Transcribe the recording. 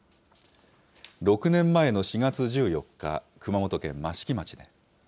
６年前の４月１４日、熊本県益城町。